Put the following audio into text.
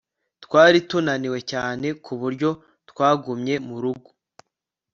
Twari tunaniwe cyane ku buryo twagumye mu rugo